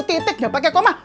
titik nggak pakai koma